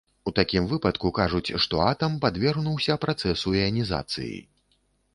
У такім выпадку кажуць, што атам падвергнуўся працэсу іанізацыі.